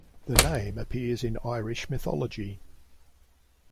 The name appears in Irish mythology.